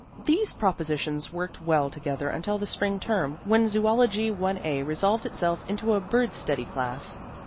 These propositions worked well together until the spring term, when zoology 1a resolved itself into a bird study class.